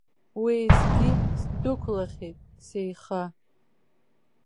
Уеизгьы сдәықәлахьеит сеиха.